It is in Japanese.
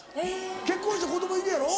結婚して子供いるやろ？